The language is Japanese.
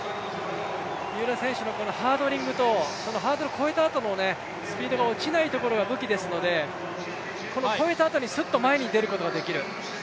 三浦選手のハードリングと、ハードルを越えたあとのスピードが落ちないことが武器ですので、越えたあとに、すっと前に出ることができる。